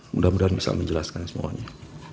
mudah mudahan bisa menjelaskan semuanya